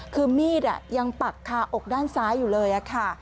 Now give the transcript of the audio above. คือมีดยังปักคาอกด้านซ้ายอยู่เลยค่ะ